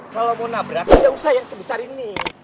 kalo mau nabrak tidak usah yang sebesar ini